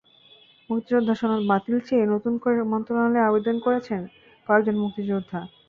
মুক্তিযোদ্ধা সনদ বাতিল চেয়ে নতুন করে মন্ত্রণালয়ে আবেদন করেছেন কয়েকজন মুক্তিযোদ্ধা।